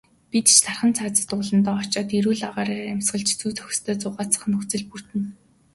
Бид ч дархан цаазат ууландаа очоод эрүүл агаараар амьсгалж, зүй зохистой зугаалах нөхцөл бүрдэнэ.